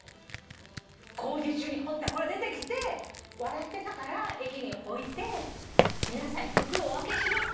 工事中に掘ったら出てきて笑ってたから駅に置いて皆さんに福をお分けします